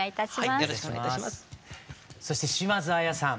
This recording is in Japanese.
そして島津亜矢さん